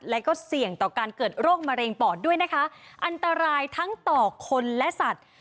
และก็เสี่ยงต่อการเกิดโรคมะเร็งปอดด้วยนะคะอันตรายทั้งต่อคนและสัตว์